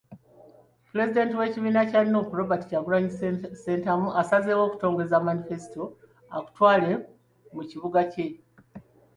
Pulezidenti w'ekibiina kya Nuupu, Robert Kyagulanyi Ssentamu, asazeewo okutongoza Manifesto akutwale mu kibuga ky'e Mbarara.